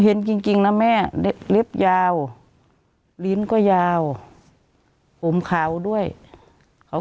เห็นจริงนะแม่เล็บยาวลิ้นก็ยาวผมขาวด้วยเขา